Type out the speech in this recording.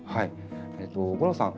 吾郎さん